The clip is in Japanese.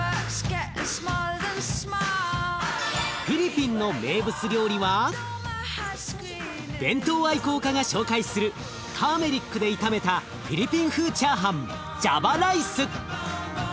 フィリピンの名物料理は弁当愛好家が紹介するターメリックで炒めたフィリピン風チャーハンジャバライス！